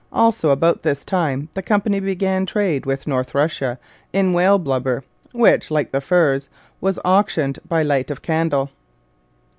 Also, about this time, the Company began trade with North Russia in whale blubber, which, like the furs, was auctioned by light of candle.